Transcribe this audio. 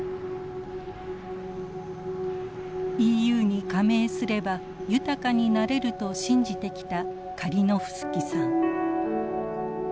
ＥＵに加盟すれば豊かになれると信じてきたカリノフスキさん。